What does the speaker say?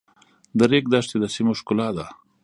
د ریګ دښتې د سیمو ښکلا ده.